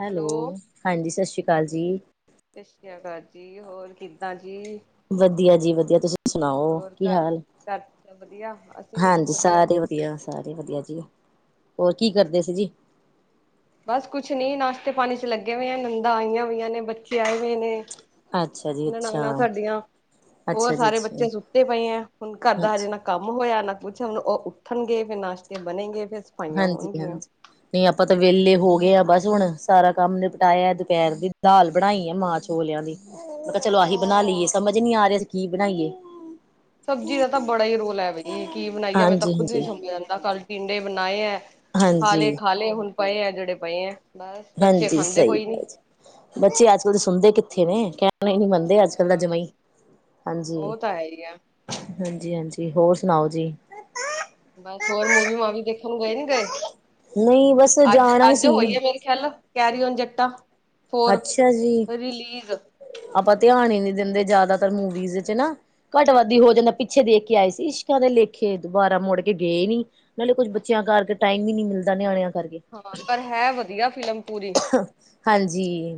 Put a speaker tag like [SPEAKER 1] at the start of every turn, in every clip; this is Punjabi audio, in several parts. [SPEAKER 1] ਹੈਲੋ। ਹਾਂਜੀ ਸਤਿ ਸ਼੍ਰੀ ਅਕਾਲ ਜੀ।
[SPEAKER 2] ਸਤਿ ਸ੍ਰੀ ਅਕਾਲ ਜੀ। ਹੋਰ ਕਿੱਦਾਂ ਜੀ?
[SPEAKER 1] ਵਧੀਆ ਜੀ ਵਧੀਆ। ਤੁਸੀ
[SPEAKER 2] ਹੋਰ ਘਰ ਘਰ ਸਭ ਵਧੀਆ। ਅਸੀ ਵੀ ਸਭ
[SPEAKER 1] ਹਾਂਜੀ
[SPEAKER 2] ਵਧੀਆ।
[SPEAKER 1] ਸਾਰੇ ਵਧੀਆ ਸਾਰੇ ਵਧੀਆ ਜੀ। ਹੋਰ ਕੀ ਕਰਦੇ ਸੀ ਜੀ?
[SPEAKER 2] ਬਸ ਕੁਛ ਨੀ ਨਾਸ਼ਤੇ ਪਾਣੀ ਚ ਲੱਗੇ ਹੋਏ ਆਂ। ਨੰਦਾਂ ਆਈਆਂ ਹੋਈਆਂ ਨੇ, ਬੱਚੇ ਆਏ ਹੋਏ ਨੇ।
[SPEAKER 1] ਅੱਛਾ ਜੀ ਅੱਛਾ,
[SPEAKER 2] ਨਨਾਨਾਂ ਸਾਡੀਆਂ। ਹੋਰ
[SPEAKER 1] ਅੱਛਾ ਜੀ
[SPEAKER 2] ਸਾਰੇ
[SPEAKER 1] ਅੱਛਾ,
[SPEAKER 2] ਬੱਚੇ ਸੁੱਤੇ ਪਏ ਐਂ। ਹੁਣ ਘਰ ਦਾ ਹਜੇ
[SPEAKER 1] ਅੱਛ
[SPEAKER 2] ਨਾ ਕੰਮ ਹੋਇਆ ਨਾ ਕੁਛ। ਹੁਣ ਓ ਉੱਠਨਗੇ ਫੇਰ ਨਾਸ਼ਤੇ ਬਨੇਂਗੇ ਫੇਰ ਸਫਾਈਆਂ
[SPEAKER 1] ਹਾਂਜੀ
[SPEAKER 2] ਹੋਣਗੀਆਂ।
[SPEAKER 1] ਹਾਂਜੀ। ਨਈ ਆਪਾਂ ਤੇ ਵੇਲੇ ਹੋ ਗਏ ਆਂ। ਬਸ ਹੁਣ ਸਾਰਾ ਕੰਮ ਨਿਪਟਾਏਆ ਦੁਪੈਰ ਦੀ ਦਾਲ ਬਣਾਈ ਐ ਮਾਂ ਛੋਲੇਆਂ ਦੀ। ਮੈਂ ਕੈ ਚਲੋ ਐਹੀ ਬਣਾ ਲਈਏ। ਸਮਝ ਨੀ ਆ ਰੇਆ ਸੀ ਕੀ ਬਣਾਈਏ?
[SPEAKER 2] ਸਬਜੀ ਦਾ ਤੇ ਬੜਾ ਈ ਰੋਲਾ ਐ ਬਈ ਕੀ ਬਨਾਈਏ। ਮੈਂ ਤਾਂ ਖੁਦ ਨੀ
[SPEAKER 1] ਹਾਂਜੀ-ਹਾਂਜੀ, ਹਾਂਜੀ,
[SPEAKER 2] ਸਮਝ ਆਂਦਾ ਕੱਲ ਟਿੰਡੇ ਬਨਾਏ ਐ। ਖਾ ਲੇ
[SPEAKER 1] ਹਾਂਜੀ
[SPEAKER 2] ਖਾ ਲੇ ਹੁਣ ਪਏ ਐ ਜੇੜੇ ਪਏਂ ਐ ਬਸ। ਬੱਚੇ
[SPEAKER 1] ਹਾਂਜੀ,
[SPEAKER 2] ਖਾਂਦੇ
[SPEAKER 1] ਸਹੀ
[SPEAKER 2] ਕੋਈ ਨੀ।
[SPEAKER 1] ਗੱਲ ਜੀ। ਬੱਚੇ ਅੱਜ-ਕੱਲ੍ਹ ਦੇ ਸੁਨਦੇ ਕਿੱਥੇ ਨੇ ਕੈਨਾ ਈ ਨੀ ਮੰਨ ਅੱਜ-ਕੱਲ ਤਾ ਜਮਾ ਈ। ਹਾਂਜੀ,
[SPEAKER 2] ਉਹ ਤਾਂ ਹੈ ਹੀ ਐ।
[SPEAKER 1] ਹਾਂਜੀ ਹਾਂਜੀ। ਹੋਰ ਸੁਨਾਓ ਜੀ।
[SPEAKER 2] ਬਸ ਹੋਰ ਮੂਵੀ ਮਾਵੀ ਦੇਖਨ ਗਏ ਨੀ ਗਏ?
[SPEAKER 1] ਨਹੀਂ ਬਸ
[SPEAKER 2] ਅੱਜ
[SPEAKER 1] ਜਾਣਾ ਹੀ
[SPEAKER 2] ਅੱਜ
[SPEAKER 1] ਸੀ
[SPEAKER 2] ਹੋਈ ਐ ਮੇਰੀ ਚਲ ਕੈਰੀ ਓਨ ਜੱਟਾ। ਫੋਰ
[SPEAKER 1] ਅੱਛਾ ਜੀ।
[SPEAKER 2] ਰਿਲੀਜ਼
[SPEAKER 1] ਆਪਾਂ ਧੇਆਨ ਈ ਨੀ ਦੇਂਦੇ ਜਾਦਾਤਰ ਮੂਵੀਜ਼ ਚ ਨਾ। ਘੱਟਵਾਦੀ ਹੋ ਜਾਂਦਾ। ਪਿੱਛੇ ਦੇਖ ਕੇ ਆਏ ਸੀ ਇਸ਼ਕਾਂ ਦੇ ਲੇਖੇ। ਦੁਬਾਰਾ ਮੁੜ ਕੇ ਗਏ ਨੀ। ਨਾਲੇ ਕੁਛ ਬੱਚੇਆਂ ਕਰਕੇ ਟਾਈਮ ਈ ਨੀ ਮਿਲਦਾ ਨਿਆਣੇਆਂ
[SPEAKER 2] ਹਾਂ। ਪਰ ਹੈ ਵਧੀਆ ਫਿਲਮ ਪੂਰੀ।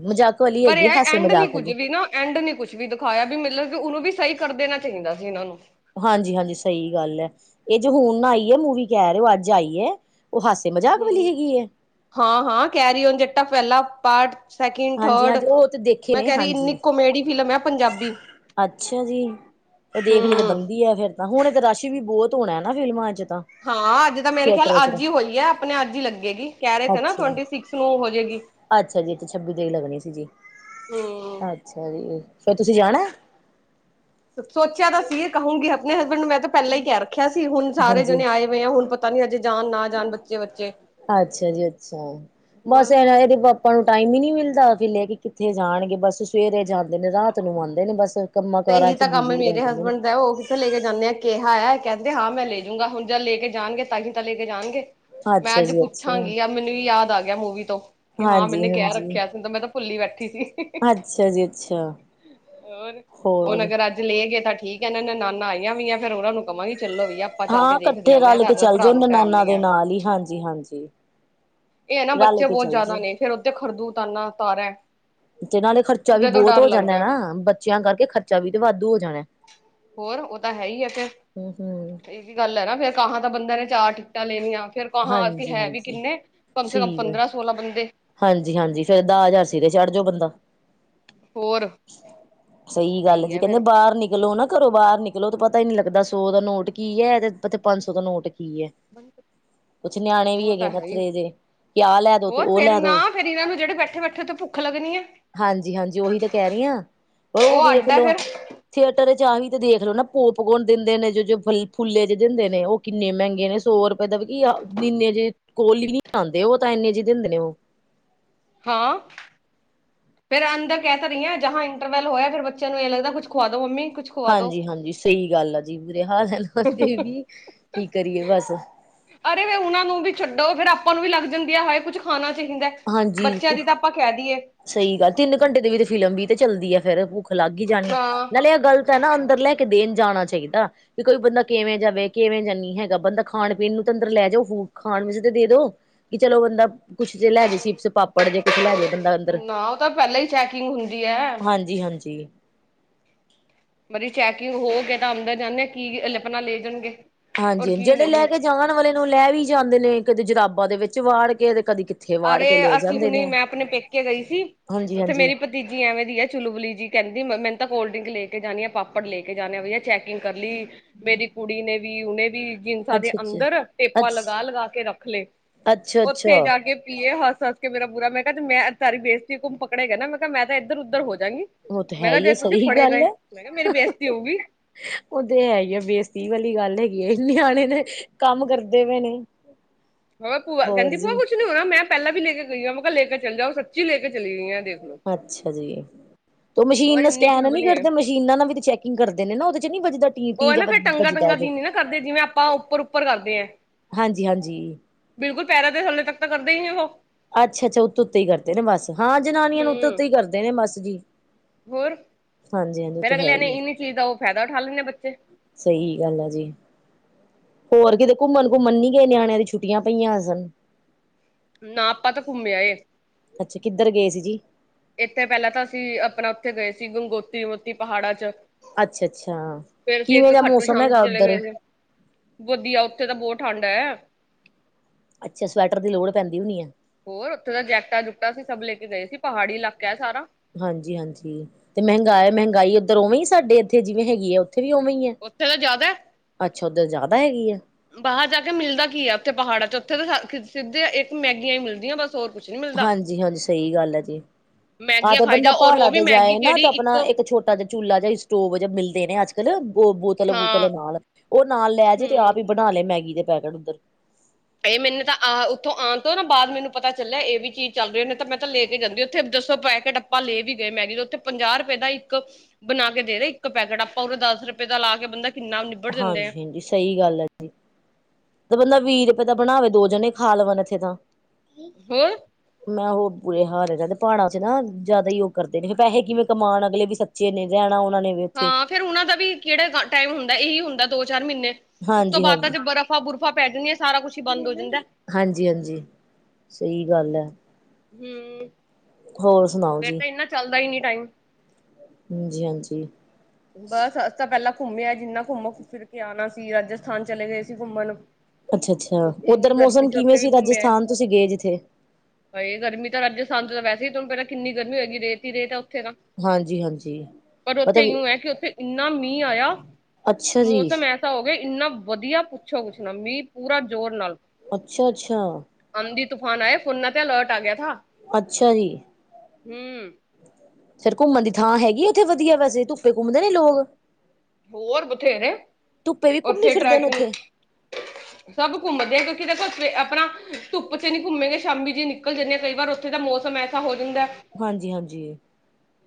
[SPEAKER 1] ਮਜਾਕ ਵਾਲੀ
[SPEAKER 2] ਪਰ
[SPEAKER 1] ਹੈਗੀ
[SPEAKER 2] ਇਹ
[SPEAKER 1] ਹਾਸੇ
[SPEAKER 2] ਐਂਡ ਨੀ
[SPEAKER 1] ਮਜਾਕ
[SPEAKER 2] ਕੁੱਝ
[SPEAKER 1] ਆਲੀ।
[SPEAKER 2] ਵੀ ਨਾ ਐਂਡ ਨੀ ਕੁੱਛ ਵੀ ਦਿਖਾਏਆ ਵੀ ਮੇਨ ਲਗੂ ਓਨੂੰ ਵੀ ਸਈ ਕਰ ਦੇਨਾ ਚਾਈਦਾ ਸੀ ਏਨਾਂ ਨੂੰ।
[SPEAKER 1] ਹਾਂਜੀ ਹਾਂਜੀ। ਸਈ ਗੱਲ ਐ। ਏਜ ਹੁਨ ਆਈ ਐ ਮੂਵੀ ਕੈ ਰੇ ਓ ਅੱਜ ਆਈ ਐ। ਓ ਹਾਸੇ ਮਜਾਕ ਵਾਲੀ
[SPEAKER 2] ਹਮ
[SPEAKER 1] ਹੈਗੀ ਏ?
[SPEAKER 2] ਹਾਂ ਹਾਂ, ਕੈਰੀ ਓਨ ਜੱਟਾ ਪੈਲਾ ਪਾਟ ਸੈਕਿੰਡ,
[SPEAKER 1] ਹਾਂਜੀ
[SPEAKER 2] ਥਰਡ
[SPEAKER 1] ਹਾਂਜੀ ਉਹ ਤੇ ਦੇਖੇ
[SPEAKER 2] ਮੈਂ
[SPEAKER 1] ਨੇ
[SPEAKER 2] ਕੈਰੀ ਏਨੀ
[SPEAKER 1] ਹਾਂਜੀ
[SPEAKER 2] ਕੋਮੇਡੀ ਫਿਲਮ ਐ ਪੰ
[SPEAKER 1] ਅੱਛਾ ਜੀ। ਤੇ ਦੇਖਨੀ ਤੇ
[SPEAKER 2] ਹਮ
[SPEAKER 1] ਬਨਦੀ ਐ ਫੇਰ। ਹੁਣ ਇਕ ਰਸ਼ ਵੀ ਬੋਤ ਹੋਣਾ ਨਾ ਫਿਲਮਾਂ ਚ ਤਾਂ।
[SPEAKER 2] ਹਾਂ, ਅੱਜ ਤਾਂ ਮੇਰੇ ਖੇਆਲ
[SPEAKER 1] ਥੀਏਟਰ ਚ ਤਾਂ।
[SPEAKER 2] ਅੱਜ ਹੀ ਹੋਈ ਐ। ਆਪਨੇ ਅੱਜ ਹੀ ਲੱਗੇਗੀ ਕੇਅ ਰਹੇ ਤੇ ਨਾ,
[SPEAKER 1] ਅੱਛਾ ਜੀ
[SPEAKER 2] ਟਵੰਟੀ ਸਿਕਸ ਨੂੰ ਹੋ ਜੇਗੀ।
[SPEAKER 1] ਅੱਛਾ ਜੀ ਏਥੇ ਛੱਬੀ ਤਰੀਕ ਲੱਗਨੀ ਸੀ ਜੀ,
[SPEAKER 2] ਹਮ
[SPEAKER 1] ਅੱਛਾ ਜੀ ਫੇਰ ਤੁਸੀਂ ਜਾਨਾ।
[SPEAKER 2] ਸੋਚੇਆ ਤਾਂ ਸੀ ਏਅ ਕਹੂੰਗੀ, ਆਪਨੇ ਹਸਬੈਂਡ ਨੂੰ ਮੈਂ ਤਾਂ ਪਹਿਲੇ ਹੀ ਕੇਅ ਰੱਖਿਆ ਸੀ, ਹੁਨ ਸਾਰੇ
[SPEAKER 1] ਹਾਂਜੀ
[SPEAKER 2] ਜਣੇ
[SPEAKER 1] ਹਾਂਜੀ,
[SPEAKER 2] ਆਏ ਹੋਏ ਆ ਹੁਨ ਪਤਾ ਪਤਾ ਨੀ ਅਜੇ ਜਾਨ ਨਾ ਜਾਨ ਬੱਚੇ-ਬੱਚੇ
[SPEAKER 1] ਅੱਛਾ ਜੀ, ਅੱਛਾ ਬਸ ਏਨਾ ਏਦੇ ਪਾਪ ਪਾਪਾ ਨੂੰ ਟਾਈਮ ਹੀ ਨੀ ਮਿਲਦਾ, ਫਿਰ ਲੈ ਕੇ ਕਿੱਥੇ ਜਾਨਗੇ, ਬਸ ਸਵੇਰੇ ਜਾਂਦੇ ਨੇ ਰਾਤ ਨੂੰ ਆਂਦੇ ਨੇ ਬਸ। ਕੰਮਾਂ
[SPEAKER 2] ਤੇ
[SPEAKER 1] ਕਾਰਾਂ
[SPEAKER 2] ਏਹੀ
[SPEAKER 1] ਚ
[SPEAKER 2] ਤਾਂ ਕੰਮ
[SPEAKER 1] ਬਿਜੀ
[SPEAKER 2] ਮੇਰੇ
[SPEAKER 1] ਰਹਿ ਜਾਂਦੇ ਨੇ
[SPEAKER 2] ਹਸਬੈਂਡ ਦਾ ਓ ਕਿਥੇ ਲੈ ਕੇ ਜਾਨੇ ਆ ਕੇਹਾ ਹੈ, ਕਹਿੰਦੇ ਹਾਂ ਮੈਂ ਲੇਜੂਗਾ, ਹੁਨ ਜਦ ਲੈ ਕੇ ਜਾਨਗੇ ਤਾਂ ਹੀ ਤਾਂ ਲੈ ਕੇ ਜਾਨਗੇ। ਮੈਂ
[SPEAKER 1] ਅੱਛਾ
[SPEAKER 2] ਅੱਜ
[SPEAKER 1] ਜੀ ਅੱਛਾ
[SPEAKER 2] ਪੁੱਛਾਂਗੀ, ਆ ਮੈਨੂੰ ਵੀ ਯਾਦ ਆ ਗੇਆ, ਮੂਵੀ ਤੋਂ ਹਾਂ ਕਿ
[SPEAKER 1] ਹਾਂਜੀ
[SPEAKER 2] ਮੈਨੇ ਕੇਅ
[SPEAKER 1] ਹਾਂਜੀ
[SPEAKER 2] ਰੱਖਿਆ ਸੀ, ਨੀ ਮੈਂ ਤਾਂ- ਭੁੱਲੀ ਬੈਠੀ ਸੀ।
[SPEAKER 1] ਅੱਛਾ ਜੀ, ਅੱਛਾ।
[SPEAKER 2] ਉ ਹੁਨ
[SPEAKER 1] ਹੋਰ
[SPEAKER 2] ਅਗਰ ਅੱਜ ਲੈ ਗਏ ਤਾਂ ਠੀਕ ਐ, ਨ-ਨ, ਨਨਾਨਾ ਆਈਆਂ ਵੀ ਆ ਫੇਰ ਉਨਾਂ ਨੂੰ- ਕਵਾਂਗੀ ਚਲੋ ਵੀ ਆ, ਆਪਾਂ ਚੱਲ
[SPEAKER 1] ਹਾਂ
[SPEAKER 2] ਕੇ ਦੇਖਦੇ ਆਂ, ਨਾ ਤਾਡੇ ਭਰਾ ਨੂੰ ਟੈਮ ਨੀ ਐ।
[SPEAKER 1] ਖਾਲੀ, ਹਾਂਜੀ-ਹਾਂਜੀ।
[SPEAKER 2] ਐ ਨਾ ਬੱਚੇ ਬਹੁਤ ਜੇਆਦਾ ਨੇ ਫੇਰ, ਉੱਥੇ ਖਰਦੂ ਤਾਨਾ ਤਾਰਾ।
[SPEAKER 1] ਤੇ ਨਾਲੇ ਖਰਚਾ ਵੀ
[SPEAKER 2] ਉਹਦੇ ਤੋਂ
[SPEAKER 1] ਬਹੁਤ
[SPEAKER 2] ਡਰ
[SPEAKER 1] ਹੋ ਜਾਨਾ
[SPEAKER 2] ਲੱਗਦਾ
[SPEAKER 1] ਨਾ, ਬੱਚੇਆਂ ਕਰਕੇ ਖਰਚਾ ਵੀ ਤੇ ਵਾਧੂ ਹੋ ਜਾਨਾ।
[SPEAKER 2] ਔਰ ਓ ਤਾਂ ਹੈ ਈ ਆ ਫੇਰ- ਗੱਲ ਐ ਨਾ ਫੇਰ ਕਾਹਾਂ ਤਾਂ ਬੰਦੇ ਨੇ ਚਾਰ ਟਿਕਟਾਂ ਲੇਨੀਆਂ ਫੇਰ ਕਹਾ ਅਸੀਂ
[SPEAKER 1] ਹਾਂਜੀ
[SPEAKER 2] ਹੈ ਵੀ
[SPEAKER 1] ਹਾਂਜੀ
[SPEAKER 2] ਕਿੰਨੇ ਕਮ ਸੇ ਕਮ ਪੰਦਰਾਂ ਸੋਲਾਂ ਬੰਦੇ।
[SPEAKER 1] ਹਾਂਜੀ-ਹਾਂਜੀ, ਫੇਰ ਦਾਅ ਹਜ਼ਾਰ ਸੀਰੇ ਚੜ੍ਹ ਜਾਓ, ਬੰਦਾ
[SPEAKER 2] ਹੋਰ
[SPEAKER 1] ਸਹੀ ਗੱਲ
[SPEAKER 2] ਇਹੀ
[SPEAKER 1] ਜੀ,
[SPEAKER 2] ਹੈ
[SPEAKER 1] ਕਹਿੰਦੇ
[SPEAKER 2] ਫੇਰ
[SPEAKER 1] ਬਾਹਰ ਨਿਕਲੋ ਨਾ। ਘਰੋਂ ਬਾਹਰ ਨਿਕਲੋ ਤੇ ਪਤਾ ਈ ਨੀ ਲੱਗਦਾ, ਸੌ ਦਾ ਨੋਟ ਕੀ ਏ, ਅਤੇ ਪੰਜ ਸੌ ਦਾ ਨੋਟ ਕੀ ਏ।
[SPEAKER 2] [unintelligible]
[SPEAKER 1] ਕੁਛ ਨਿਆਣੇ ਵੀ ਹੈਗੇ ਅਥਰੇ ਜੇ ਕਿਆ ਲੈ [unintelligible]
[SPEAKER 2] ਔਰ ਫੇਰ ਨਾ
[SPEAKER 1] ਦੋ
[SPEAKER 2] ਫ਼ੇਰ ਏਹਨਾਂ ਨੂੰ ਜੇਹੜੇ ਬੈਠੇ-ਬੈਠੇ ਉੱਥੇ ਭੁੱਖ ਲੱਗਨੀਏ।
[SPEAKER 1] ਹਾਂਜੀ-ਹਾਂਜੀ, ਉਹੀ ਤੇ ਕੇਅ ਰਹੀ ਆਂ।
[SPEAKER 2] ਓ ਅੱਡ ਏ ਫੇਰ
[SPEAKER 1] ਥੀਏਟਰ ਚ ਆਹੀ ਤੇ ਦੇਖ ਲਓ ਨਾ, ਪੋਪਕੋਨ ਦਿੰਦੇ ਨੇ, ਜੋ-ਜੋ ਫ ਫੁੱਲੇ ਜੇ ਦਿੰਦੇ ਨੇ ਓ। ਕਿੰਨੇ ਮਹਿੰਗੇ ਨੇ ਸੌ ਰੁਪਏ ਦਾ ਵੀ ਕੀ ਆਖ, ਨਿਨੇ ਜਿਹੇ ਕੋਲੀ ਵੀ ਨੀ ਆਂਦੇ ਓ, ਤਾਂ ਇੰਨੇ ਜਿਹੇ ਦਿੰਦੇ ਨੇ ਓ।
[SPEAKER 2] ਹਾਂ ਫੇਰ ਅੰਦਰ ਕੇਅ ਤਾਂ ਰਹੀ ਆਂ, ਜਹਾ ਇੰਟਰਵੈਲ ਹੋਇਆ, ਫੇਰ ਬੱਚੇਆ ਨੂੰ ਏ ਲੱਗਦਾ, ਕੁਛ ਖਵਾ ਦੋ, ਮੰਮੀ ਕੁਛ
[SPEAKER 1] ਹਾਂਜੀ -ਹਾਂਜੀ ਸਹੀ ਗੱਲ ਆ ਜੀ, ਬੁਰੇ ਹਾਲ ਹੈ ਲੋਕਾ ਦੇ ਵੀ -ਕੀ ਕਰੀਏ ਬਸ।
[SPEAKER 2] ਅਰੇ ਉਨਾਂ ਨੂੰ ਵੀ ਛੱਡੋ, ਫੇਰ ਆਪਾਂ ਨੂੰ ਵੀ ਲੱਗ ਜਾਂਦੀ ਐ, ਹਾਏ ਕੁੱਛ ਖਾਨਾ ਚਾਹੀਦਾ ਬੱਚੇਆਂ
[SPEAKER 1] ਹਾਂਜੀ
[SPEAKER 2] ਦੀ ਤਾਂ ਆਪਾਂ ਕੇਅ ਦਈਏ।
[SPEAKER 1] ਸਹੀ ਗੱਲ ਤਿੰਨ ਘੰਟੇ ਦੀ ਵੀ ਤੇ ਫਿਲਮ ਵੀ ਤੇ ਚੱਲਦੀ ਐ, ਫੇਰ ਭੁੱਖ ਲੱਗ ਹੀ ਜਾਨੀ ਏ,
[SPEAKER 2] ਨਾ
[SPEAKER 1] ਨਾਲੇ ਆ ਗੱਲ। ਤਾਂ ਨਾ ਅੰਦਰ ਲੈ ਕੇ ਦੇਨ ਜਾਨਾ ਚਾਹੀਦਾ। ਵੀ ਕੋਈ ਬੰਦਾ ਕਿਵੇਂ ਜਾਵੇ, ਕਿਵੇਂ ਜਾਂ ਨੀ ਹੈਗਾ, ਬੰਦਾ ਖਾਨ-ਪੀਨ ਨੂੰ ਤਾਂ ਅੰਦਰ ਲੈ ਜਾਓ, ਫੁ ਖਾਨ ਵਿੱਚ ਤੇ ਦੇ ਦੋ। ਕਿ ਚਲੋ ਬੰਦਾ ਕੁੱਛ ਜੇ ਲੈ, ਜੇ ਚਿਪਸ, ਪਾਪੜ ਜੇ ਕੁਛ ਲੈ ਜੇ ਬੰਦਾ। ਅੰਦਰ
[SPEAKER 2] ਨਾ ਓ ਤਾਂ ਪਹਿਲਾਂ ਹੀ ਚੈਕਿੰਗ ਹੁੰਦੀ ਐ।
[SPEAKER 1] ਹਾਂਜੀ-ਹਾਂਜੀ।
[SPEAKER 2] ਮੇਰੀ ਚੈਕਿੰਗ ਹੋ ਕੇ-ਤਾਂ ਅੰਦਰ ਜਾਨੇ ਆ, ਕੀ ਲਿਪਨਾ ਲੈ ਜਾਨਗੇ।
[SPEAKER 1] ਹਾਂਜੀ, ਜੇਹੜੇ ਲੈ ਕੇ ਜਾਨ ਵਾਲੇ ਨੇ ਓ ਲੈ ਵੀ ਜਾਂਦੇ ਨੇ, ਕਦੇ ਜਰਾਬਾਂ ਦੇ ਵਿੱਚ ਵਾੜ ਕੇਦੇ ਕ
[SPEAKER 2] ਅਰੇ, ਅਸੀਂ ਹੁਨੀ ਮੈਂ ਆਪਨੇ ਪੇਕੇ ਗਈ ਸੀ,
[SPEAKER 1] ਹਾਂਜੀ
[SPEAKER 2] ਉੱਥੇ
[SPEAKER 1] ਹਾਂਜੀ
[SPEAKER 2] ਮੇਰੀ ਭ ਤੀਜੀ ਐਵੇਂ ਦੀ ਹੈ ਚੁਬੁਲੀ ਜੀ ਕਹਿੰਦੀ ਮੈਨੂੰ ਤਾਂ ਕੋਲਡ ਡਰਿੰਕ ਲੈ ਕੇ ਜਾਣੀ ਆ ਪਾਪੜ ਲੈ ਕੇ ਜਾਣੇ ਆ ਬਈਆ ਚੈਕਿੰਗ ਕਰ ਲਈ ਮੇਰੀ ਕੁੜੀ ਨੇ ਵੀ ਉਹਨੇ ਵੀ ਜਿਨਸਾਂ ਦੇ
[SPEAKER 1] ਅੱਛਾ ਅੱਛਾ
[SPEAKER 2] ਅੰਦਰ ਟੇਪਾਂ
[SPEAKER 1] ਅੱਛ
[SPEAKER 2] ਲਗਾ ਲਗਾ ਕੇ ਰੱਖ ਲਏ
[SPEAKER 1] ਅੱਛਾ ਅੱਛਾ
[SPEAKER 2] ਉੱਥੇ ਜਾ ਕੇ ਪਏ ਹੱਸ ਹੱਸ ਕੇ ਮੇਰਾ ਬੁਰਾ ਮੈਂ ਕਿਹਾ ਤੇ ਮੈਂ ਤਾਰੀ ਵੇਚਤੀ ਘੁੰਮ ਪਕੜੇਗਾ ਨਾ ਮੈਂ ਕਿਹਾ ਮੈਂ ਤਾਂ ਇੱਧਰ ਉੱਧਰ ਹੋ ਜਾਂਗੀ।
[SPEAKER 1] ਉਹ ਤਾਂ
[SPEAKER 2] ਮੈਂ
[SPEAKER 1] ਹੈ
[SPEAKER 2] ਕਿਹਾ
[SPEAKER 1] ਹੀ ਹੈ
[SPEAKER 2] ਜੇ ਤੁਸੀਂ
[SPEAKER 1] ਸਹੀ
[SPEAKER 2] ਫੜੇ
[SPEAKER 1] ਗੱਲ
[SPEAKER 2] ਗਏ
[SPEAKER 1] ਹੈ
[SPEAKER 2] ਮੈਂ ਕਿਹਾ ਮੇਰੀ ਬੇਇਜ਼ਤੀ ਹੋਊਗੀ।
[SPEAKER 1] ਉਹ ਤੇ ਹੈ ਹੀ ਆ ਬੇਸਤੀ ਵਾਲੀ ਗੱਲ ਹੈਗੀ ਆ ਨਿਆਣੇ ਨੇ ਕੰਮ ਕਰਦੇ ਪਏ ਨੇ
[SPEAKER 2] ਹ ਭੂਆ
[SPEAKER 1] ਹੋਰ
[SPEAKER 2] ਕਹਿੰਦੀ ਭੂਆ
[SPEAKER 1] ਜੀ
[SPEAKER 2] ਕੁਛ ਨੀ ਹੋਣਾ ਮੈਂ ਪਹਿਲਾਂ ਵੀ ਲੈ ਕੇ ਗਈ ਹਾਂ ਮੈਂ ਕਿਹਾ ਲੈ ਕੇ ਚੱਲ ਜਾਓ ਸੱਚੀ ਲੈ ਕੇ ਚਲੀ ਗਈ ਹ ਦੇਖ ਲੋੋ
[SPEAKER 1] ਅੱਛਾ ਜੀ ਤ ਮਸ਼ੀਨ ਨਾਲ
[SPEAKER 2] ਇੰਨੀ
[SPEAKER 1] ਸਕੈਨ ਨੀ
[SPEAKER 2] ਚੁਲਬਲੀ ਹੈ
[SPEAKER 1] ਕਰਦੇ ਮਸ਼ ਜ ਇਹਨਾ ਨਾਲ ਵੀ ਚੈਕਿੰਗ ਕਰਦੇ ਨੇ ਨਾ ਉਹਦੇ ਚ ਨੀ ਵੱਜ
[SPEAKER 2] ਉਹ ਨਾ ਫੇਰ ਟੰਗਾ-ਟੰਗਾ ਦੀ ਨੀਂ ਨਾ ਕਰਦੇ, ਜਿਵੇਂ ਆਪਾਂ ਉੱਪਰ- ਉੱਪਰ ਕਰਦੇ ਏਂ
[SPEAKER 1] ਹਾਂਜੀ ਹਾਂਜੀ
[SPEAKER 2] ਬਲਕੁਲ, ਪੈਰਾਂ ਦੇ ਹੱਲੇ ਤੱਕ ਤਾਂ ਕਰਦੇ ਈ ਨੀ ਕਰਦੇ ਉਹ
[SPEAKER 1] ਅੱਛਾ-ਅੱਛਾ, ਉੱਤੇ- ਉੱਤੇ ਈ ਕਰਦੇ ਨੇ ਬੱਸ। ਹਾਂ, ਜਨਾਨੀਆਂ ਨੂੰ ਉੱਤੇ-
[SPEAKER 2] ਹਮ
[SPEAKER 1] ਉੱਤੇ ਈ ਕਰਦੇ ਨੇ ਬੱਸ ਜੀ।
[SPEAKER 2] ਹੋਰ,
[SPEAKER 1] ਹਾਂਜੀ ਹਾਂਜੀ ਉਹ
[SPEAKER 2] ਫੇਰ
[SPEAKER 1] ਤੇ ਹੈ
[SPEAKER 2] ਅਗਲੇਆਂ ਨੇ
[SPEAKER 1] ਹੀ
[SPEAKER 2] ਇੰਨੀ ਚੀਜ਼ ਦਾ ਓ ਫਾਇਦਾ ਉਠਾ ਲੈਂਦੇ ਬੱਚੇ।
[SPEAKER 1] ਸਈ ਗੱਲ ਆ ਜੀ। ਹੋਰ ਕਿ ਦੇਖੋ ਮਨਗੋ- ਮੰਨੀ ਗੇ ਨਿਆਣਿਆਂ ਦੀ ਛੁੱਟੀਆਂ ਪਈਆ ਸਨ।
[SPEAKER 2] ਨਾ, ਆਪਾਂ ਤੇ ਘੁੰਮ ਆਏ।
[SPEAKER 1] ਅੱਛਾ, ਕਿੱਧਰ ਗਏ ਸੀ ਜੀ?
[SPEAKER 2] ਇੱਥੇ ਪਹਿਲਾਂ ਤਾਂ ਅਸੀਂ ਆਪਣਾ ਉੱਥੇ ਗਏ ਸੀ ਗੰਗੋਤੀ-ਮੋਤੀ ਪਹਾੜਾਂ ਚ।
[SPEAKER 1] ਅੱਛਾ ਅੱਛਾ
[SPEAKER 2] ਫੇਰ
[SPEAKER 1] ਕਿਵੇਂ
[SPEAKER 2] ਇੱਕ
[SPEAKER 1] ਦਾ
[SPEAKER 2] ਖੱਟੂ
[SPEAKER 1] ਮੌਸਮ
[SPEAKER 2] ਸ਼ਾਮ ਚ
[SPEAKER 1] ਹੈਗਾ
[SPEAKER 2] ਚਲੇ
[SPEAKER 1] ਉੱਧਰ
[SPEAKER 2] ਗਏ ਸੀ। ਵਧੀਆ, ਉੱਥੇ ਤਾਂ ਬਹੁਤ ਠੰਡ ਐ।
[SPEAKER 1] ਅੱਛਾ, ਸਵੈਟਰ ਦੀ ਲੋੜ ਪੈਂਦੀ ਹੋਣੀ ਐ?
[SPEAKER 2] ਹੋਰ, ਉੱਥੇ ਤਾਂ ਜੈਕਟਾਂ-ਜੁਕਟਾ ਅਸੀ ਸਭ ਲੈ ਕੇ ਗਏ ਸੀ, ਪਹਾੜੀ ਇਲਾਕਾ ਹੈ ਸਾਰਾ।
[SPEAKER 1] ਹਾਂਜੀ-ਹਾਂਜੀ, ਤੇ ਮਹਿੰਗਾ
[SPEAKER 2] ਹੂੰ
[SPEAKER 1] ਮਹਿੰਗਾਈ ਉੱਧਰ ਉਵੇਂ ਹੀ ਸਾਡੇ ਐਥੇ ਜਿਵੇਂ ਹੈਗੀ ਐ ਉੱਥੇ ਵੀ ਉਵੇਂ ਈ ਐ?
[SPEAKER 2] ਓਥੇ ਤਾਂ ਜਾਦੈ।
[SPEAKER 1] ਹੈਗੀ ਆ
[SPEAKER 2] ਬਾਹਰ ਜਾ ਕੇ ਮਿਲਦਾ ਕੀ ਆ ਉੱਥੇ ਪਹਾੜਾਂ ਚ, ਉੱਥੇ ਤਾਂ ਸਾ ਸਿੱਧੇ ਇੱਕ ਮੈਗੀਆਂ ਹੀ ਮਿਲਦੀਆਂ ਬਸ ਹੋਰ ਕੁਝ
[SPEAKER 1] ਹਾਂਜੀ-ਹਾਂਜੀ ਸਹੀ ਗੱਲ ਐ ਜੀ, ਆਹ
[SPEAKER 2] ਮੈਗੀਆਂ
[SPEAKER 1] ਤੇ
[SPEAKER 2] ਖਾਈ ਜਾ
[SPEAKER 1] ਬੰਦਾ
[SPEAKER 2] ਔਰ ਉਹ
[SPEAKER 1] ਪਾੜਾਂ
[SPEAKER 2] ਵੀ
[SPEAKER 1] ਤੇ
[SPEAKER 2] ਮੈਗੀ
[SPEAKER 1] ਜਾਏ ਨਾ
[SPEAKER 2] ਕਿਹੜੀ
[SPEAKER 1] ਤੇ ਆਪਣਾ ਇੱਕ ਛੋਟ ਟਾ ਜਾ, ਚੁੱਲਾ ਜਾ, ਸਟੋਵ ਜਾਂ ਮਿਲਦੇ ਨੇ ਅੱਜ ਕੱਲ੍ਹ ਉਹ ਬੋਤ
[SPEAKER 2] ਹਾਂ
[SPEAKER 1] ਤਲ-ਬੂਤਲ ਨਾਲ। ਓ ਨਾਲ ਲੈ ਜੇ ਤੇ
[SPEAKER 2] ਹੂੰ
[SPEAKER 1] ਆਪ ਹੀ ਬਣਾ ਲੇ ਮੈਗੀ ਦੇ ਪੈਕੇਟ ਉੱਧਰ।
[SPEAKER 2] ਏ ਮੈਨੂੰ ਤਾਂ ਆ, ਉੱਥੋਂ ਆਣ ਤੋਂ ਨਾ ਬਾਦ ਮੈਨੂੰ ਪਤਾ ਚੱਲਿਆ ਏ ਵੀ ਚੀਜ਼ ਚੱਲ ਰਹੀ। ਨਈਂ ਤਾਂ ਮੈਂ ਤਾਂ ਲੈ ਕੇ ਜਾਂਦੀ ਉੱਥੇ ਦੱਸੋ ਪੈਕੇਟ ਅਪ ਆਪਾਂ ਲੈ ਵੀ ਗਏ ਮੈਗੀ ਤੇ ਉੱਥੇ ਪੰਜਾਹ ਰੁਪਏ ਦਾ ਇੱਕ ਬਣਾ ਕੇ ਦੇ ਰੇ ਇੱਕ ਪੈਕਟ। ਆਪਾਂ ਉਰੇ ਦਸ ਰੁਪਏ ਦਾ ਲਾ ਕੇ ਬੰਦਾ ਕਿੰਨਾ ਨਿਬ
[SPEAKER 1] ਹਾਂਜੀ-ਹਾਂਜੀ, ਸਹੀ ਗੱਲ ਐ। ਤੇ ਬੰਦਾ ਵੀ ਰਪੇ ਦਾ ਬਣਾਵੇ, ਦੋ ਜਣੇ ਖਾ ਲਵਣ ਐਥੇ ਤਾਂ।
[SPEAKER 2] ਹੋਰ
[SPEAKER 1] [unintelligible] ਮੈਂ ਓਹ ਬੁਰੇ ਹਾਲ। [unintelligible] ਪਾੜਾਂ ਚ ਨਾ ਜ਼ਿਆਦਾ ਹੀ ਉਹ ਕਰਦੇ ਨੇ ਏਹੇ। ਪੈਹੇ ਕਿਵੇਂ ਕਮਾਣ ਅਗਲੇ ਵੀ ਸਚ ਚੇ ਨੇ। ਰੈਣਾ ਓਨਾਂ ਨੇ ਵੀ ਉੱਥੇ
[SPEAKER 2] ਹਾਂ ਫੇਰ ਉਨਾ ਦਾ ਵੀ ਕੇੜਾ ਕ ਟਾਈਮ ਹੁੰਦਾ, ਐਹੀ ਹੁੰਦਾ ਦੋ- ਚਾਰ ਮਹੀਨੇ, ਉਸ ਤੋਂ
[SPEAKER 1] ਹਾਂਜੀ
[SPEAKER 2] ਬਾਦ ਤਾਂ ਜੇ ਬਰਫ਼ ਰਫਾਂ -ਬੁਰਫਾ ਪੈ ਜਾਂਦੀਐਂ
[SPEAKER 1] ਹਾਂਜੀ-ਹਾਂਜੀ, ਸਈ ਗੱਲ ਐ।
[SPEAKER 2] ਹੰ।
[SPEAKER 1] ਹੋਰ ਸੁਣਾਓ।
[SPEAKER 2] ਫੇਰ
[SPEAKER 1] ਜੀ
[SPEAKER 2] ਤੇ ਇੰਨਾ ਚੱਲਦਾ ਹੀ ਨੀ ਟਾਈਮ।
[SPEAKER 1] ਹਾਂਜੀ- ਹਾਂਜੀ।
[SPEAKER 2] ਬਸ ਅਸ ਤਾਂ ਪਹਿਲਾਂ ਘੁੰਮ ਆਏ, ਜਿੰਨਾ ਘੁੰਮੋ ਫਿਰ ਕੇ ਆਣਾ ਸੀ। ਰਾਜਯਸਥਾਨ ਚਲੇ ਗਏ ਸੀ ਘੁੰਮਣ।
[SPEAKER 1] ਅੱਛਾ-ਅੱਛਾ
[SPEAKER 2] ਉੱਥੇ ਇੰਨੀ
[SPEAKER 1] ਓਧਰ
[SPEAKER 2] ਗਰਮੀ
[SPEAKER 1] ਮੌਸਮ ਕਿਵੇਂ
[SPEAKER 2] ਉੱਥੇ ਵੀ
[SPEAKER 1] ਸੀ,
[SPEAKER 2] ਘੁੰਮਿਆ
[SPEAKER 1] ਰਾਜਸਥਾਨ ਤੁਸੀਂ ਗੇ ਜਿੱਥੇ?
[SPEAKER 2] ਹਾਏ ਗਰਮੀ ਤਾਂ ਰਾਜਸਥਾਨ 'ਚ ਤਾਂ ਵੈਸੇ ਈ ਤਾਨੂੰ ਪਤਾ ਕਿੰਨੀ ਗਰਮੀ ਓਏਗੀ, ਰੇਤ ਈ ਰੇਤ ਆ ਓਥੇ ਤਾਂ।
[SPEAKER 1] ਹਾਂਜੀ- ਹਾਂਜੀ ਮਤਬ
[SPEAKER 2] ਕੀ ਓਥੇ ਇੰਨਾ ਮੀਂ ਆਇਆ,
[SPEAKER 1] ਅੱਛਾ ਜੀ
[SPEAKER 2] ਮੌਸਮ ਐ ਐਸਾ ਹੋ ਗਿਆ, ਇੰਨਾ ਵਧੀਆ ਪੁੱਛੋ ਕੁੱਛ ਨਾ। ਮੀਂ ਪੂਰਾ ਜ਼ੋਰ ਨਾਲ
[SPEAKER 1] ਅੱਛਾ- ਅੱਛਾ।
[SPEAKER 2] ਆਂਦੀ ਤੂਫਾਨ ਆਏ, ਫੋਨਾਂ ਤੇ ਅਲਰਟ ਆ ਗ‌ਆ ਥਾ।
[SPEAKER 1] ਅੱਛਾ ਜੀ।
[SPEAKER 2] ਹੂੰ।
[SPEAKER 1] ਫੇਰ ਘੁੰਮਣ ਦੀ ਥਾਂ ਹੈਗੀ ਓਥੇ ਵਧੀਆ ਵੈਸੇ, ਧੁੱਪੇ ਘੁੰਮਦੇ ਨੇ ਲੋਗ?
[SPEAKER 2] ਹੋਰ ਬਥੇਰੇ
[SPEAKER 1] ਧੁੱਪੇ ਵੀ ਘੁੰਮੀ
[SPEAKER 2] ਉੱਥੇ
[SPEAKER 1] ਫਿਰਦੇ ਨੇ
[SPEAKER 2] ਟਰੈਕਿੰਗ
[SPEAKER 1] ਓਥੇ।
[SPEAKER 2] ਸਭ ਘੁੰਮਦੇ ਕਿਉਂਕਿ ਦੇਖੋ ਸਵੇ ਆਪਣਾ ਧੁੱਪ 'ਚ ਨੀ ਘੁੰਮੇਗੇ, ਸ਼ਾਮੀ ਜੀ ਨਿਕਲ ਜਾਂਨੇ। ਕਈ ਵਾਰ ਓਥੇ ਦਾ ਮੌਸਮ ਐਸ ਸਾ ਹੋ ਜਾਂਦਾ।
[SPEAKER 1] ਹਾਂਜੀ ਹਾਂਜੀ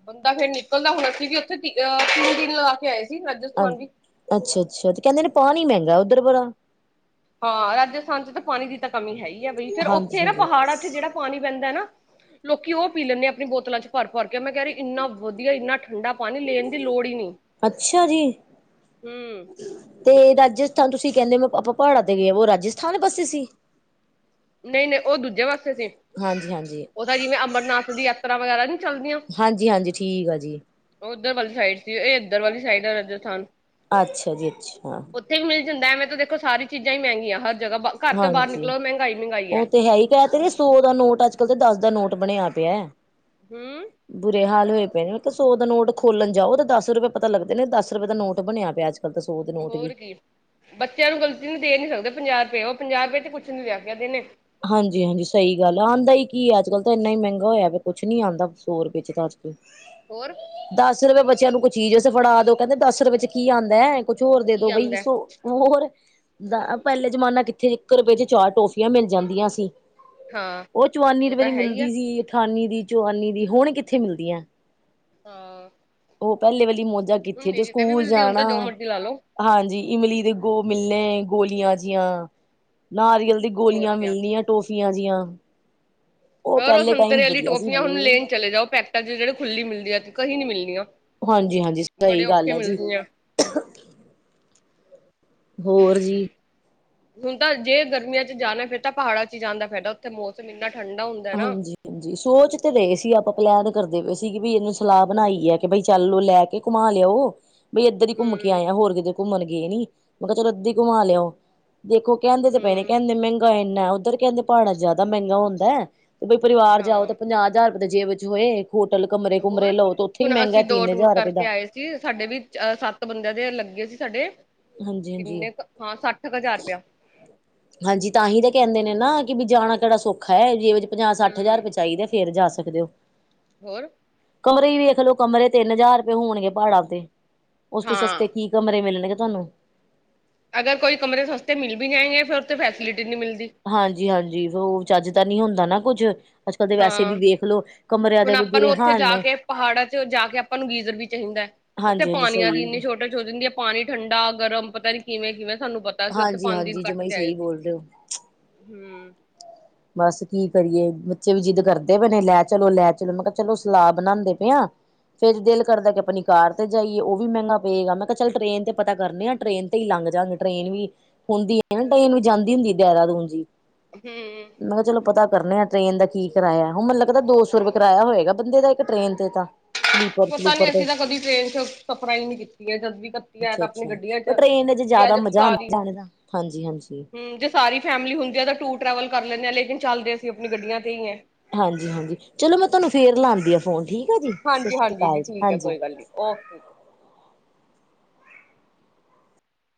[SPEAKER 2] ਬੰਦਾ ਫੇਰ ਨਿਕਲਦਾ ਹੁਣ ਅਸੀਂ ਵੀ ਓਥੇ ਤਿ ਅਹ ਤਿੰਨ ਦਿਨ ਲਗਾ ਕੇ ਆਏ ਸੀ ਰਾਜਸਥਾਨ ਵੀ।
[SPEAKER 1] ਅੱਛਾ-ਅੱਛਾ ਤੇ ਕੈਂਦੇ ਨੇ ਪਾਣੀ ਮੈਂਗਾ ਓਧਰ ਬਰਾ।
[SPEAKER 2] ਹਾਂ ਰਾਜਸਥਾਨ 'ਚ ਤਾਂ ਪਾਣੀ ਦੀ ਤਾਂ ਕਮੀ ਹੈ ਈ ਆ ਬਈ। ਫੇਰ
[SPEAKER 1] ਹਾਂਜੀ
[SPEAKER 2] ਉੱਥੇ ਨਾ
[SPEAKER 1] ਹਾਂਜੀ
[SPEAKER 2] ਪਹਾੜਾਂ 'ਚ ਜੜਾ ਪਾਣੀ ਪੈਂਦਾ ਨਾ। ਲੋਕੀ ਓ ਪੀ ਲੈਂਦੇ ਆਪਣੀ ਬੋਤਲਾਂ 'ਚ ਭਰ ਭਰ ਕੇ। ਮੈਂ ਕੈ ਰੀ ਇੰਨਾ ਵਧੀਆ, ਇੰਨਾ ਠੰਡਾ ਪਾਣੀ ਲੈਣ ਦੀ ਲੋੜ ਈ ਨੀ।
[SPEAKER 1] ਅੱਛਾ ਜੀ। ਤੇ ਰਾਜਸਥਾਨ ਤੁਸੀਂ ਕੈਂਦੇ ਮ ਆਪਾਂ ਪਹਾੜਾਂ ਤੇ ਗੇ, ਵ ਰਾਜਸਥਾਨ ਪਾਸੇ ਸੀ।
[SPEAKER 2] ਨਈ ਨਈ ਓ ਦੂਜੇ ਵਾਸੇ ਸੀ।
[SPEAKER 1] ਹਾਂਜੀ ਹਾਂਜੀ।
[SPEAKER 2] ਓ ਤਾਂ ਜਿਵੇਂ ਅਮਰਨਾਥ ਦੀ ਯਾਤਰਾ ਵਗੈਰਾ ਨੀ ਚੱਲਦੀਆਂ।
[SPEAKER 1] ਹਾਂਜੀ ਹਾਂਜੀ ਠੀਕ ਆ ਜੀ
[SPEAKER 2] ਓ ਓਧਰ ਵਾਲੀ ਸਾਈਡ ਸੀ, ਏ ਏਧਰ ਵਾਲੀ ਸਾਈਡ ਆ ਰਾਜਸਥਾਨ।
[SPEAKER 1] ਅੱਛਾ ਜੀ ਅੱਛਾ
[SPEAKER 2] ਏਥੇ ਵੀ ਮਿਲ ਜਾਂਦਾ ਐਵੇਂ ਤਾਂ ਦੇਖੋ ਸਾਰੀ ਚੀਜ਼ਾਂ ਈ ਮੈਂਗੀਆਂ। ਹਰ ਜਗਾ ਬ ਘਰ ਤੋਂ ਬਾਰ ਨਿਕਲੋ ਮੈਂਗਾਈ ਮੈਂਗਾਈ ਆ।
[SPEAKER 1] ਹੈਈ ਕੈ ਤੇ ਰੀ ਸਾਰੇ। ਸੋ ਦਾ ਨੋਟ ਅੱਜ ਕਲ੍ਹ ਤੇ ਦਸ ਦਾ ਨੋਟ ਬਣਿਆ ਪਿਆ।
[SPEAKER 2] ਹੂੰਅ।
[SPEAKER 1] ਬੁਰੇ ਹਾਲ ਹੋਏ ਪਏ ਨੇ। ਮੈਂ ਕਿਆ ਸੌ ਦਾ ਨੋਟ ਖੋਲਣ ਜਾਓ ਤੇ ਦਸ ਰੁਪਏ ਪਤਾ ਲੱਗਦੇ ਨੇ, ਦਸ ਰੁਪਏ ਦਾ ਨੋਟ ਬਣਿਆ ਪਿਆ ਅੱਜ। ਪੈਲਾਂ ਤਾਂ ਸੌ ਦੇ -
[SPEAKER 2] ਹੋਰ ਕੀ ਬੱਚਿਆਂ ਨੂੰ ਗ਼ਲਤੀ ਨੂੰ ਦੇ ਨੀ ਸਕਦੇ ਪੰਜਾ ਰਪਏ, ਓ ਪੰਜਾ ਰਪਏ ਤੇ ਕੁਛ ਨੀ ਲੈ ਕੇ ਆਦੇ ਨੇ।
[SPEAKER 1] ਹਾਂਜੀ ਹਾਂਜੀ ਸ‌ਈ ਗੱਲ, ਆਂਦਾ ਈ ਕੀ ਏ ਅੱਜ ਕੱਲ ਤਾਂ ਏਨ ਈ ਮੈਂਗਾ ਹੋਇਆ। ਕੁਛ ਨੀ ਆਂਦਾ ਸੌ ਰਪਏ 'ਚ ਤਾਂ ਅੱਜ ਕੱਲ। ਹ।
[SPEAKER 2] ਹੋਰ।
[SPEAKER 1] ਦਸ ਰਪਏ ਬੱਚਿਆਂ ਨੂੰ ਕੁ ਚੀਜ਼ ਫੜਾ ਦੋ, ਕੈਂਦੇ ਦਸ ਰਪਏ 'ਚ ਕੀ ਆਂਦਾ ਕੁਛ ਹੋਰ ਦੇ
[SPEAKER 2] ਕੀ
[SPEAKER 1] ਦੋ ਬਈ
[SPEAKER 2] ਆਂਦਾ
[SPEAKER 1] ਸੋ। ਔਰ ਦੇ ਪੈਲੇ ਜ਼ਮਾਨਾ ਕਿੱਥੇ ਇੱਕ ਰਪਏ 'ਚ ਚਾਰ ਟੋਫੀਆਂ ਮਿਲ ਜਾਂਦੀਆਂ ਸੀ।
[SPEAKER 2] ਹਾਂ
[SPEAKER 1] ਓ ਚਵਾਨੀ
[SPEAKER 2] ਉਹ
[SPEAKER 1] ਰਪਏ
[SPEAKER 2] ਤਾਂ
[SPEAKER 1] ਦੀ
[SPEAKER 2] ਹੈ ਹੀ ਆ
[SPEAKER 1] ਮਿਲਦੀ ਸੀ। ਅਠਾਨੀ ਦੀ, ਚਵਾਨੀ ਦੀ ਹੁਣ ਕਿੱਥੇ ਮਿਲਦੀਆਂ।
[SPEAKER 2] ਹਾਂ।
[SPEAKER 1] ਓ ਪੈਲੇ ਵੇਲੀ ਮੌਜਾਂ
[SPEAKER 2] ਹੁਣ
[SPEAKER 1] ਕਿੱਥੇ, ਜੋ
[SPEAKER 2] ਮੇਰੀ ਤੇ ਵੀ
[SPEAKER 1] ਸਕੂਲ
[SPEAKER 2] ਮਿਲਦੀ ਹੁਣ
[SPEAKER 1] ਜਾਣਾ।
[SPEAKER 2] ਤਾਂ ਜੋ ਮਰਜ਼ੀ ਲਾ ਲੋ
[SPEAKER 1] ਹਾਂਜੀ ਇਮਲੀ ਦੇ ਗੋ ਮਿਲਣੇ ਗੋਲੀਆਂ ਜੀਆਂ, ਨਾਰੀਅਲ ਦੇ ਗੋ-
[SPEAKER 2] ਹੋਰ
[SPEAKER 1] ਗੋਲੀਆਂ
[SPEAKER 2] ਕਿਆ
[SPEAKER 1] ਮਿਲਨੀਆਂ, ਟੋਫੀਆਂ ਜੀਆਂ। ਉਹ
[SPEAKER 2] ਔਰ ਓ
[SPEAKER 1] ਪਹਿਲੇ ਟਾਈਮ
[SPEAKER 2] ਸੰਤਰੇ ਅਲੀ
[SPEAKER 1] ਵਧੀਆ ਸੀ
[SPEAKER 2] ਟੋਫੀਆਂ ਹੁਣ ਲੇਣ
[SPEAKER 1] ਬਹੁਤ
[SPEAKER 2] ਚਲੇ ਜਾਓ, ਪੈਕਟਾਂ 'ਚ ਜੜੇ ਖੁੱਲੀ ਮਿਲਦੀ ਤੇ ਕਹੀ ਨੀ ਮਿਲਨੀਆਂ।
[SPEAKER 1] ਹਾਂਜੀ ਹਾਂਜੀ
[SPEAKER 2] ਬੜੇ
[SPEAKER 1] ਸਹੀ ਗੱਲ
[SPEAKER 2] ਔਖੇ
[SPEAKER 1] ਹੈ ਜੀ
[SPEAKER 2] ਮਿਲਦੀਆਂ।
[SPEAKER 1] ਹੋਰ ਜੀ।
[SPEAKER 2] ਹੁਣ ਤਾਂ ਜੇ ਗਰਮੀਆਂ 'ਚ ਜਾਣਾ ਫੇਰ ਤਾਂ ਪਹਾੜਾਂ 'ਚ ਜਾਨ ਦਾ ਫੈਦਾ ਓਥੇ ਮੌਸਮ ਇੰਨਾ ਠੰਡਾ ਹੁੰ-
[SPEAKER 1] ਹਾਂਜੀ। ਹਾਜੀ ਸੋਚ ਤੇ ਰਹੇ ਸੀ ਆਪਾਂ ਪਲੈਨ ਕਰਦੇ ਪਏ ਸੀ। ਕਿ ਵੀ ਇਹਨੂੰ ਸਲਾਹ ਬਣਾਈ ਐ ਕਿ ਬਈ ਚੱਲ ਇਨੂੰ ਲੈ ਕੇ। ਤੇ ਘੁੰਮਾ ਲੈ ਆਓ। ਬਈ ਇੱਧਰ ਹੀ ਘੁੰਮ ਕੇ
[SPEAKER 2] ਹੂੰ
[SPEAKER 1] ਆਇਆ ਹੋਰ ਕਿਧਰ ਘੁੰਮਣ ਗਏ ਨੀ ਮੈਂ ਕਿਹਾ ਚਲੋ ਇੱਧਰ ਹੀ ਘੁੰਮਾ ਲਿਆਓ, ਦੇਖੋ। ਕਹਿੰਦੇ ਤੇ ਪਏ ਨੇ
[SPEAKER 2] ਹੂੰ
[SPEAKER 1] ਕਹਿੰਦੇ ਮਹਿੰਗਾ ਇੰਨਾ ਉੱਧਰ ਕਹਿੰਦੇ ਪਾਹੜਾ ਚ ਜਿਆਦਾ ਮਹਿੰਗਾ ਹੁੰਦਾ। ਤੇ ਬਈ ਪਰਿਵਾਰ ਜਾਓ
[SPEAKER 2] ਹਾਂ
[SPEAKER 1] ਤਾਂ ਪੰਜਾਹ ਹਜ਼ਾਰ ਰੁਪਏ ਦੇ ਜੇਬ ਵਿੱਚ ਹੋਏ ਨੀ। ਹੋਟਲ ਕਮਰੇ
[SPEAKER 2] ਤੇ
[SPEAKER 1] -ਕੁਮਰੇ
[SPEAKER 2] ਹੋਰ
[SPEAKER 1] ਲਓ ਤਾਂ ਉੱਥੇ ਹੀ
[SPEAKER 2] ਹੁਣ
[SPEAKER 1] ਮਹਿੰਗਾ
[SPEAKER 2] ਅਸੀਂ ਦੋ
[SPEAKER 1] ਤਿੰਨ
[SPEAKER 2] ਟੂਰ
[SPEAKER 1] ਹਜ਼ਾਰ ਰੁਪਏ
[SPEAKER 2] ਕਰਕੇ
[SPEAKER 1] ਦਾ।
[SPEAKER 2] ਆਏ ਸੀ ਸਾਡੇ ਵੀ ਅ ਸੱਤ ਬੰਦਿਆਂ ਦੇ ਲੱਗੇ ਸੀ ਸਾਡੇ,
[SPEAKER 1] ਹਾਂਜੀ ਹਾਂਜੀ
[SPEAKER 2] ਕਿੰਨੇ ਕੁ ਹਾਂ ਸੱਠ ਕੁ ਹਜ਼ਾਰ ਰੁਪਇਆ।
[SPEAKER 1] ਹਾਂਜੀ ਤਾਂਹੀ ਤਾਂ ਕਹਿੰਦੇ ਨੇ ਨਾ ਕਿ ਵੀ ਜਾਣਾ ਕਿਹੜਾ ਸੌਖਾ ਹੈ ਜੇ ਪੰਜਾਹ-ਸੱਠ ਹਜ਼ਾਰ
[SPEAKER 2] ਹੂੰ
[SPEAKER 1] ਰੁਪਏ ਚਾਈਦਾ। ਫਿਰ ਜਾ ਸਕਦੇ ਓ।
[SPEAKER 2] ਹੋਰ।
[SPEAKER 1] ਕਮਰੇ ਵੀ ਵੇਖਲਓ ਕਮਰੇ ਤਿੰਨ ਹਜ਼ਾਰ ਰੁਪਏ ਹੋਣਗੇ ਪਹਾੜਾਂ ਤੇ ਉਸ ਤੋਂ
[SPEAKER 2] ਹਾਂ
[SPEAKER 1] ਸਸਤੇ ਕੀ। ਕਮਰੇ ਮਿਲਣਗੇ ਤੁਹਾਨੂੰ।
[SPEAKER 2] ਅਗਰ ਕੋਈ ਕਮਰੇ ਸਸਤੇ ਮਿਲ ਵੀ ਜਾਏਗੇ ਫਿਰ ਉਥੇ ਫੈਸਿਲਿਟੀ ਨਹੀਂ ਮਿਲਦੀ।
[SPEAKER 1] ਹਾਂਜੀ ਹਾਂਜੀ, ਵੋ ਚੱਜ ਤਾਂ ਨਹੀਂ ਹੁੰਦਾ ਨਾ ਕੁੱਝ। ਕੱਲ ਦੇ ਵੈਸੇ
[SPEAKER 2] ਹਾਂ
[SPEAKER 1] ਵੀ ਵੇਖ ਲੋ ਕਮਰਿਆਂ
[SPEAKER 2] ਹੁਣ
[SPEAKER 1] ਦੇ ਵੀ
[SPEAKER 2] ਆਪਾਂ ਨੂੰ
[SPEAKER 1] ਬੁਰੇ
[SPEAKER 2] ਉੱਥੇ
[SPEAKER 1] ਹਾਲ
[SPEAKER 2] ਜਾ
[SPEAKER 1] ਨੇ
[SPEAKER 2] ਕੇ ਪਹਾੜਾਂ ਚ ਜਾ ਕੇ ਆਪਾਂ ਨੂੰ ਗੀਜ਼ਰ ਵੀ ਚਾਹੀਦਾ ਐ। ਉੱਥੇ
[SPEAKER 1] ਹਾਂਜੀ ਹਾਂਜੀ
[SPEAKER 2] ਪਾਣੀਆਂ ਦੀ
[SPEAKER 1] ਸਹੀ
[SPEAKER 2] ਇੰਨੀ ਸੋਟੀਜ ਹੋ ਜਾਦੀ ਐ। ਪਾਣੀ ਠੰਡਾ-ਗਰਮ ਪਤਾ ਨੀ ਕਿਵੇਂ-ਕਿਵੇਂ ਸਾਨੂੰ ਪਤ ਅਸੀਂ ਉੱਥੇ
[SPEAKER 1] ਹਾਂਜੀ
[SPEAKER 2] ਪੰਜ ਦਿਨ
[SPEAKER 1] ਹਾਂਜੀ ਜਮਾ
[SPEAKER 2] ਕੱਟ
[SPEAKER 1] ਹੀ
[SPEAKER 2] ਕੇ ਆਏ
[SPEAKER 1] ਸਹੀ
[SPEAKER 2] ਸੀ।
[SPEAKER 1] ਬੋਲ ਰਹੇ ਹੋ
[SPEAKER 2] ਹੂੰ
[SPEAKER 1] ਬਸ ਕੀ ਕਰੀਏ ਬੱਚੇ ਵੀ ਜਿੱਦ ਕਰਦੇ ਪੇਨੇ ਲੈ ਚਲੋ, ਲੈ ਚਲੋ, ਮੈਂ ਕਿਹਾ ਚਲੋ ਸਲਾਹ ਬਣਾਂਦੇ ਪਿਆ। ਫੇਰ ਦਿਲ ਕਰਦਾ ਕਿ ਆਪਣੀ ਕਾਰ ਤੇ ਜਾਈਏ ਉਹ ਵੀ ਮਹਿੰਗਾ ਪਏਗਾ, ਮੈਂ ਕਿਹਾ ਚੱਲ ਟ੍ਰਰੇਨ ਤੇ ਪਤਾ ਕਰਨੇ ਆ ਟ੍ਰੇਨ ਉ ਤੇ ਹੀ ਲੰਘ ਜਾ ਗੇ ਟ੍ਰੇਨ ਵੀ, ਹੁੰਦੀ ਐ ਨਾ ਟ੍ਰੇਨ ਵੀ ਜਾਂਦੀ ਹੁੰਦੀ ਏ ਦੇਹਰਾਦੂਨ ਜੀ।
[SPEAKER 2] [inaudible]
[SPEAKER 1] ਮੈਂ ਕਿਹਾ ਚਲੋ ਪਤਾ ਕਰਨਾ ਐ ਟ੍ਰੇਨ ਦਾ ਕੀ ਕਿਰਾਇਆ ਹੁਣ ਮੈਨੂੰ ਲੱਗਦਾ ਦੋ ਸੌ ਰੁਪਏ ਕਿਰਾਇਆ ਹੋਏਗਾ ਬੰਦੇ ਦਾ ਇੱਕ ਟ੍ਰੇਨ ਤੇ ਤਾਂ। ਸਲੀਪਰ
[SPEAKER 2] ਪਤਾ ਨੀ
[SPEAKER 1] ਸਲੂਪਰ ਤੇ
[SPEAKER 2] ਅਸੀਂ ਤਾਂ ਕਦੀ ਟ੍ਰੇਨ ਚ ਸਫਰਾਂ ਈ ਨੀ ਕੀਤੀਆਂ ਜਦ ਦੀ ਕੱਤੀ ਆਯਾ ਤਾਂ ਆਪਣੀ
[SPEAKER 1] ਹੂੰ
[SPEAKER 2] ਗੱਡੀਆਂ
[SPEAKER 1] ਓ ਟ੍ਰੇਨ ਚ
[SPEAKER 2] ਵੀ
[SPEAKER 1] ਜ਼ਿਆਦਾ
[SPEAKER 2] ਅੱਜ
[SPEAKER 1] ਮਜ਼ਾ ਆ
[SPEAKER 2] ਸਾਰੀ
[SPEAKER 1] ਜਾਦਾ ਹਾਂਜੀ ਹਾਂਜੀ।
[SPEAKER 2] ਹਮ ਜੇ ਸਾਰੀ ਫੈਮਿਲੀ ਹੁੰਦੀ ਆ ਤਾਂ ਟੂਰ-ਟਰੈਵਲ ਕਰ ਲੈਂਦੇ ਆ, ਲੇਕਿਨ ਚੱਲਦੇ ਅਸੀਂ ਆਪਣੀ ਗੱਡੀਆਂ ਤੇ ਈ ਐ।
[SPEAKER 1] ਹਾਂਜੀ ਹਾਂਜੀ, ਚਲੋ ਮੈਂ ਤੁਹਾਨੂੰ ਫਿਰ ਲਾਂਦੀ ਆ ਫੋਨ ਠੀਕ ਹੈ ਜੀ
[SPEAKER 2] ਹਾਂਜੀ
[SPEAKER 1] ਸਸ ਰੀ
[SPEAKER 2] ਹਾਂਜੀ
[SPEAKER 1] ਕਾਲ ਜੀ
[SPEAKER 2] ਠੀਕ ਹੈ
[SPEAKER 1] ਹਾਂਜੀ।
[SPEAKER 2] ਕੋਈ ਗੱਲ ਨੀ ਓਕੇ